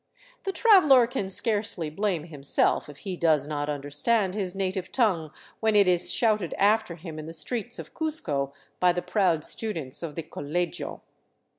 The traveler can scarcely blame himself if he does not understand his native tongue when it is shouted after him in the streets of Cuzco by the proud students of the Colegio.